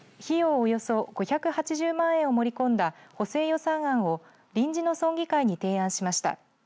およそ５８０万円を盛り込んだ補正予算案を臨時の村議会に提案しました。